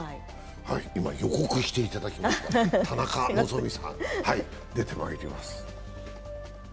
今予告していただきました田中希実さん出てまいります。